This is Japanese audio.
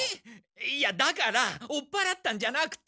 いやだから追っぱらったんじゃなくて。